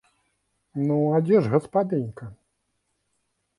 Ну, а дзе ж гаспадынька?